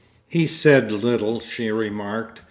He said little, she remarked.